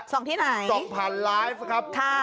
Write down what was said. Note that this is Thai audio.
ส่งที่ไหนส่องผ่านไลฟ์ครับ